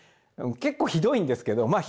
結構ひどいんですけどまあ